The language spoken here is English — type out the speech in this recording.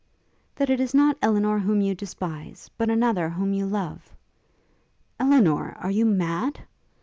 'That it is not Elinor whom you despise but another whom you love.' 'Elinor! are you mad?'